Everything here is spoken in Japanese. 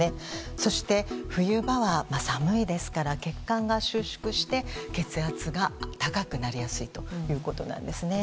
そして、冬場は寒いですから血管が収縮して血圧が高くなりやすいということです。